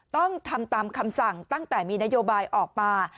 ต้องทำตามคำสั่งตั้งแต่มีนโยบายออกมา